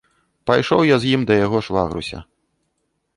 Пайшоў я з ім да яго швагруся.